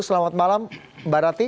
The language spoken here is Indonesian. selamat malam mbak ratih